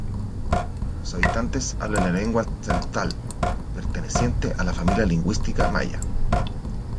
Los habitantes hablan la lengua tzeltal, perteneciente a la familia lingüística maya.